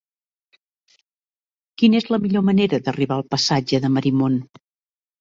Quina és la millor manera d'arribar al passatge de Marimon?